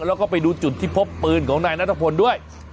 แล้วก็ไปดูจุดที่พบปืนของนายนัทพลด้วย